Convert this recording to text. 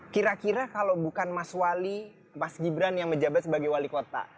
kira kira kalau bukan mas wali mas gibran yang menjabat sebagai wali kota